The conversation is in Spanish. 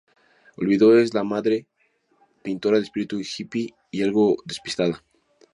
Olvido es la madre, pintora de espíritu hippie y algo despistada.